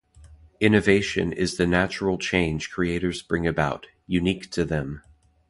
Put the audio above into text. Innovation is the natural change creators bring about, unique to them.